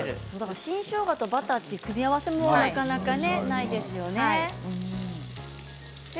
新しょうがとバターという組み合わせもなかなかない。